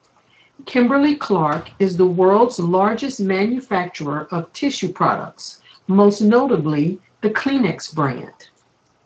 Kimberly-Clark is the world's largest manufacturer of tissue products, most notably the Kleenex brand.